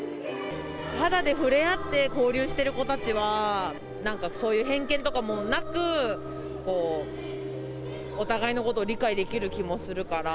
肌で触れ合って交流してる子たちは、そういう偏見とかもなく、お互いのことを理解できる気もするから。